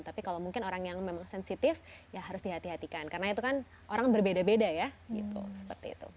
tapi kalau mungkin orang yang memang sensitif ya harus dihati hatikan karena itu kan orang berbeda beda ya gitu seperti itu